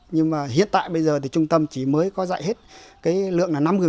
nhưng mà hiện tại bây giờ thì trung tâm chỉ mới có dạy hết lượng là năm mươi